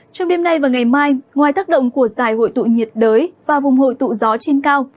trong đêm nay và ngày mai ngoài tác động của giải hội tụ nhiệt đới và vùng hội tụ gió trên cao